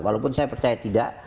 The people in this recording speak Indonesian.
walaupun saya percaya tidak